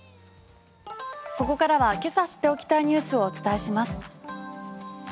ここからはけさ知っておきたいニュースをお伝えします。